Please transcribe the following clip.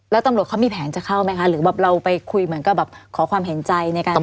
แล้วตำรวจเขามีแผนจะเข้าไหมคะหรือแบบเราไปคุยเหมือนกับแบบขอความเห็นใจในการ